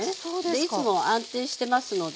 でいつも安定してますので。